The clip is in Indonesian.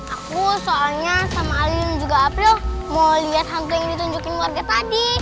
aku soalnya sama ali dan juga april mau liat hantu yang ditunjukin warga tadi